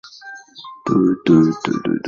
加比尼乌斯在这项指控中被判无罪。